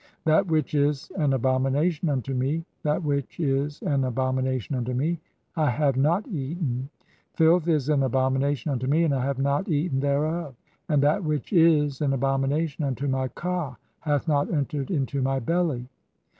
That which is an abomination unto me, "that which is an abomination unto me, I have not eaten ; filth "is an abomination unto me and I have not eaten thereof, (4) "and that which is an abomination unto my ka hath not entered "into my belly.